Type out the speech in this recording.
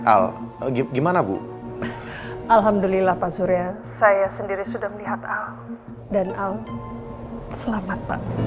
al agip gimana bu alhamdulillah pak surya saya sendiri sudah melihat al dan al selamat pak